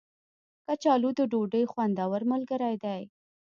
کچالو د ډوډۍ خوندور ملګری دی